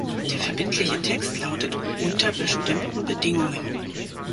Der verbindliche Text lautet "unter bestimmten Bedingungen" .